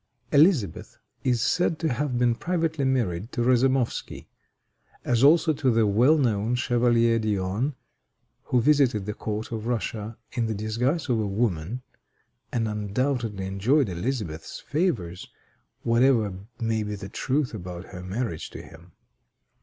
Elizabeth is said to have been privately married to Razamoffsky, as also to the well known Chevalier d'Eon, who visited the court of Russia in the disguise of a woman, and undoubtedly enjoyed Elizabeth's favors, whatever may be the truth about her marriage to him.